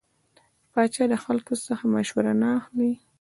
پاچا د خلکو څخه مشوره نه اخلي .